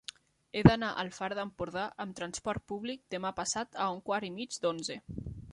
He d'anar al Far d'Empordà amb trasport públic demà passat a un quart i mig d'onze.